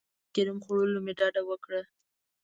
له ایس کریم خوړلو مې ډډه وکړه.